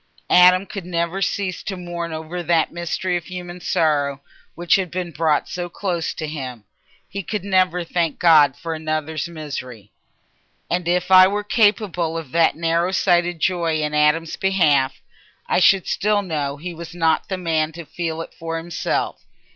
Adam could never cease to mourn over that mystery of human sorrow which had been brought so close to him; he could never thank God for another's misery. And if I were capable of that narrow sighted joy in Adam's behalf, I should still know he was not the man to feel it for himself.